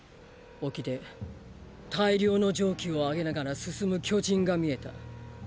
沖で大量の蒸気を上げながら進む巨人が見えた。